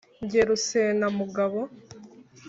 jye rusenamugabo